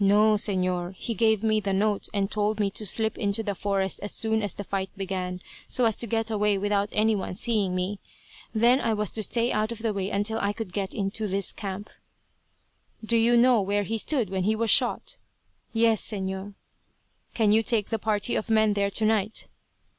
"No, Señor. He gave me the note and told me to slip into the forest as soon as the fight began, so as to get away without any one seeing me. Then I was to stay out of the way until I could get into this camp." "Do you know where he stood when he was shot?" "Yes, Señor." "Can you take a party of men there tonight?"